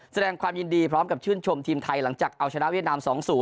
แสดงความยินดีพร้อมกับชื่นชมทีมไทยหลังจากเอาชนะเวียดนาม๒๐